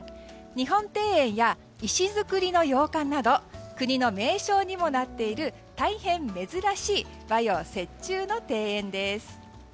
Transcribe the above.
日本庭園や石造りの洋館など国の名勝にもなっている大変珍しい和洋折衷の庭園です。